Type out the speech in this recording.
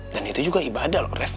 dan itu juga ibadah loh rev